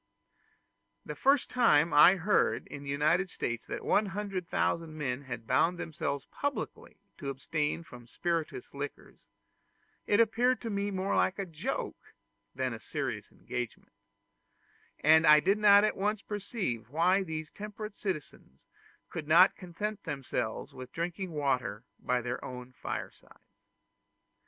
The first time I heard in the United States that 100,000 men had bound themselves publicly to abstain from spirituous liquors, it appeared to me more like a joke than a serious engagement; and I did not at once perceive why these temperate citizens could not content themselves with drinking water by their own firesides.